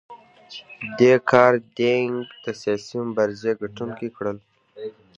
دې کار دینګ د سیاسي مبارزې ګټونکي کړل.